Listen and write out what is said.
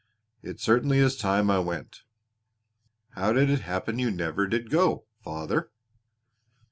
It certainly is time I went." "How did it happen you never did go, father?"